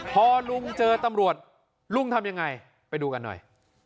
พอลุงเจอตำรวจลุงทำยังไงไปดูกันหน่อย